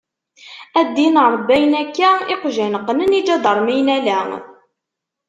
A ddin Ṛebbi ayen akka iqjan qnen iǧadarmiyen ala.